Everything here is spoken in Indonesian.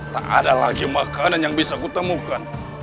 tak ada lagi makanan yang bisa kutemukan